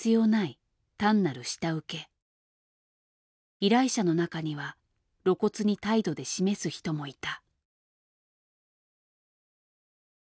依頼者の中には露骨に態度で示す人もいた。